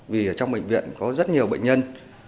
vì ở trong bệnh viện có rất nhiều bệnh nhân